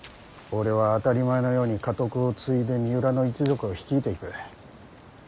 俺は当たり前のように家督を継いで三浦の一族を率いていく。